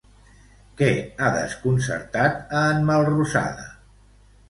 Què ha desconcertat a en Melrosada?